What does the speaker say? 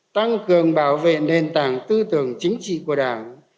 tăng cường bảo vệ nền tảng tư tưởng chính trị của đảng